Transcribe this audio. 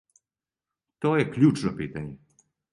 То је кључно питање.